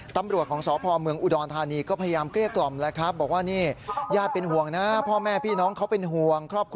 ตำรวจของสอพอบ์เมืองอุดรธานีก็พยายามเกลี้ยกล่อมแล้วครับ